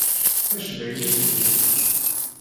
Tacbaylit n zzit.